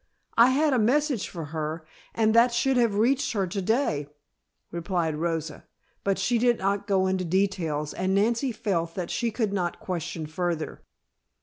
"I had a message for her, and that should have reached her to day," replied Rosa. But she did not go into details and Nancy felt that she could not question further.